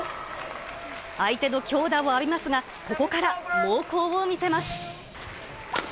相手の強打を浴びますが、ここから猛攻を見せます。